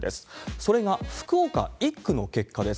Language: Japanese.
それが福岡１区の結果です。